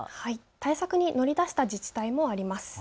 対策に乗り出した自治体もあります。